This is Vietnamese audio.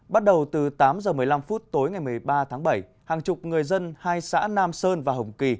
bắt đầu từ tám h một mươi năm phút tối ngày một mươi ba tháng bảy hàng chục người dân hai xã nam sơn và hồng kỳ